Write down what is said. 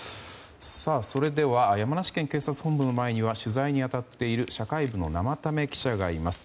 それでは山梨県警察本部の前には取材に当たっている社会部の生田目記者がいます。